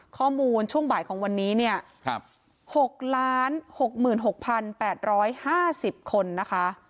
ช่วงบ่ายของวันนี้เนี่ย๖๖๘๕๐คนนะคะ